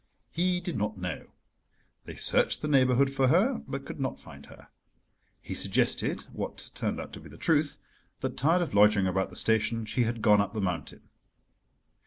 He did not know. They searched the neighbourhood for her, but could not find her. He suggested—what turned out to be the truth—that, tired of loitering about the station, she had gone up the mountain.